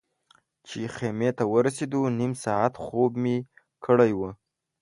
چې خیمې ته ورسېدو نیم ساعت خوب مې کړی و.